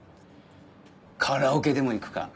カラオケでも行くか？